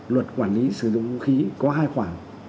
luật quản lý sử dụng vũ khí có hai khoảng